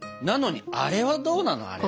なのにあれはどうなの？